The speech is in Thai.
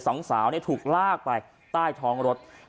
สองสาวถูกลากไปใต้ท้องรถ